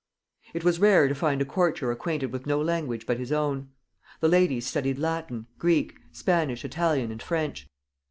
It was rare to find a courtier acquainted with no language but his own. The ladies studied Latin, Greek, Spanish, Italian, and French.